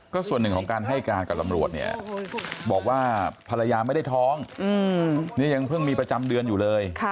ก็ส่วนหนึ่งของการให้การกับตำรวจเนี่ยบอกว่าภรรยาไม่ได้ท้องนี่ยังเพิ่งมีประจำเดือนอยู่เลย